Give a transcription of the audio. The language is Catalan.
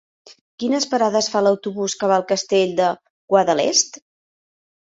Quines parades fa l'autobús que va al Castell de Guadalest?